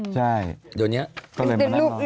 จราวนี้เที่ยวนี้ลูก